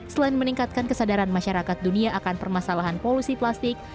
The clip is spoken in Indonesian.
selain meningkatkan kesadaran masyarakat dunia akan permasalahan polusi plastik